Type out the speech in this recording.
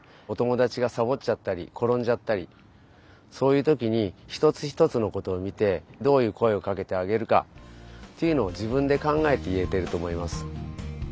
お友だちがさぼっちゃったりころんじゃったりそういうときにひとつひとつのことをみてどういう声をかけてあげるかっていうのを自分でかんがえていえてるとおもいます。